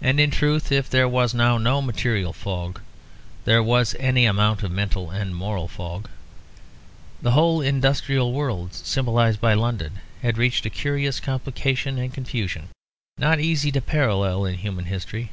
And in truth if there was now no material fog, there was any amount of mental and moral fog. The whole industrial world symbolised by London had reached a curious complication and confusion, not easy to parallel in human history.